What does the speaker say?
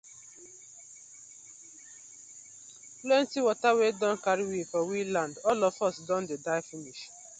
Plenti wata flood don karry we for we land, all of us don dey die finish.